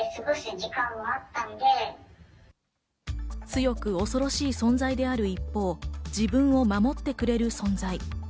強く恐ろしい存在である一方、自分を守ってくれる存在。